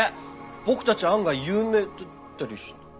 僕たち案外有名だったりして。